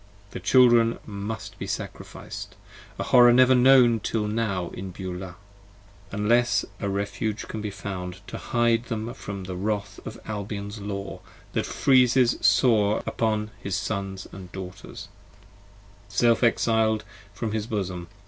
The Children must be sacrific'd! (a horror never known Till now in Beulah,) unless a Refuge can be found 60 To hide them from the wrath of Albion's Law that freezes sore Upon his Sons & Daughters, self exiled from his bosom.